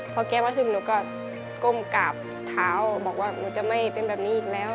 พอแกมาถึงหนูก็ก้มกราบเท้าบอกว่าหนูจะไม่เป็นแบบนี้อีกแล้ว